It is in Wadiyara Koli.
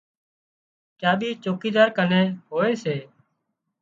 چاٻي چوڪيدار ڪن هوئي سي